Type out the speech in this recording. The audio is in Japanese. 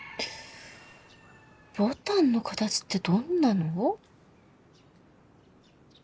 牡丹の形ってどんなの？